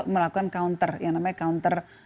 melakukan counter yang namanya counter